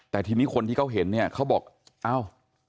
แต่ทีนี้คนที่เขาเห็นเนี่ยเขาบอกเอ้า